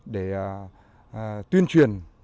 để tuyên truyền